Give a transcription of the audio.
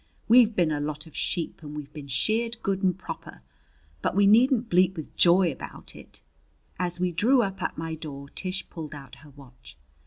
We've been a lot of sheep and we've been sheared good and proper! But we needn't bleat with joy about it!" As we drew up at my door, Tish pulled out her watch.